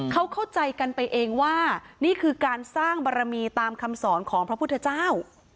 เขาเข้าใจกันไปเองว่านี่คือการสร้างบารมีตามคำสอนของพระพุทธเจ้า